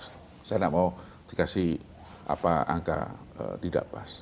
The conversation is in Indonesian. saya tidak mau dikasih angka tidak pas